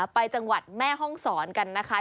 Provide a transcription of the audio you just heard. ไปจังหวัดแม่ห้องศรกันนะคะ